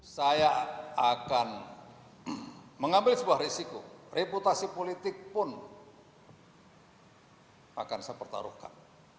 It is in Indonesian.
saya akan mengambil sebuah risiko reputasi politik pun akan saya pertaruhkan